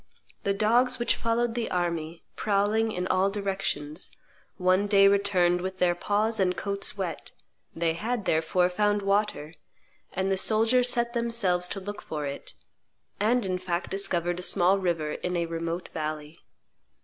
The dogs which followed the army, prowling in all directions, one day returned with their paws and coats wet; they had, therefore, found water; and the soldiers set themselves to look for it, and, in fact, discovered a small river in a remote valley.